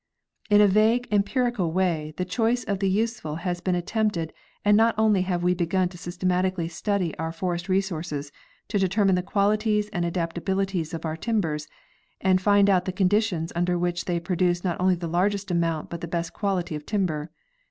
In a vague empirical way the choice of the useful has been attempted and only lately have we begun to systematically study our forest resources, to determine the qualities and adaptabilities of our timbers, and to find out the conditions under which they produce not only the largest amount but the best quality of timber.